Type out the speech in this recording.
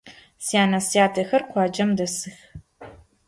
Syane - syatexer khuacem desıx.